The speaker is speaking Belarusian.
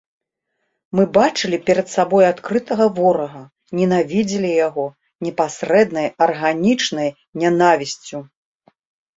Мы бачылі перад сабой адкрытага ворага, ненавідзелі яго непасрэднай арганічнай нянавісцю.